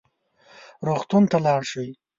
روغتون ته لاړ شئ